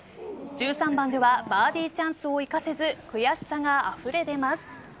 １３番ではバーディーチャンスを生かせず悔しさがあふれ出ます。